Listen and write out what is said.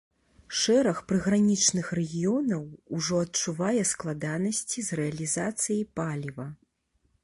Шэраг прыгранічных рэгіёнаў ужо адчувае складанасці з рэалізацыяй паліва.